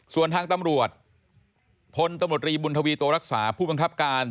ส่วนทางตำรวจพลตำรวจรีบุญทวีโตรักษาผู้บังคับการ